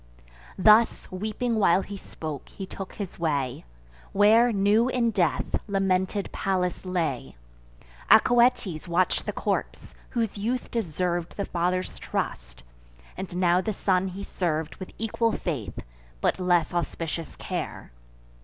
Thus, weeping while he spoke, he took his way, Where, new in death, lamented Pallas lay. Acoetes watch'd the corpse; whose youth deserv'd The father's trust; and now the son he serv'd With equal faith, but less auspicious care.